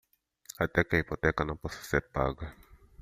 Até que a hipoteca não possa ser paga